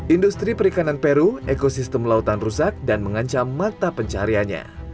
industri perikanan peru ekosistem lautan rusak dan mengancam mata pencariannya